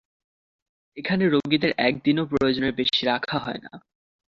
এখানে রোগীদের একদিনও প্রয়োজনের বেশি রাখা হয় না।